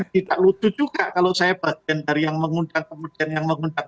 tidak lucu juga kalau saya bagian dari yang mengundang kemudian yang mengundang